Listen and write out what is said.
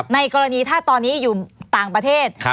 ในกรณีถ้าตอนนี้อยู่ต่างประเทศ